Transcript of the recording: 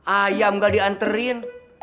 ayam gak diantarin